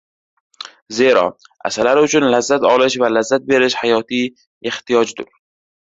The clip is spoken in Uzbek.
Zero, asalari uchun lazzat olish va lazzat berish — hayotiy ehtiyojdur.